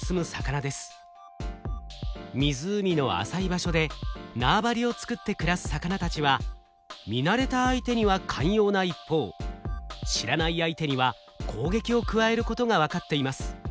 湖の浅い場所で縄張りを作って暮らす魚たちは見慣れた相手には寛容な一方知らない相手には攻撃を加えることが分かっています。